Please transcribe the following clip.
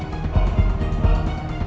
sudah kubli meaning